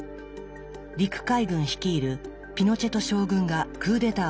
陸海軍率いるピノチェト将軍がクーデターを起こしました。